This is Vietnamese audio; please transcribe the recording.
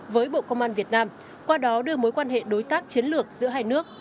với bộ công an việt nam qua đó đưa mối quan hệ đối tác chiến lược giữa hai nước